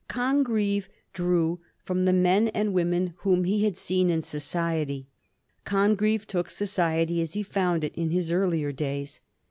393 Congreve drew from the men and women whom he had seen in society. Congreve took society as he found it in his earlier days.